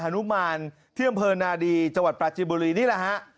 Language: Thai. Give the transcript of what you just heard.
ควันนุมานเที่ยงบรรดนาฬีประทบุรีนี่แหละ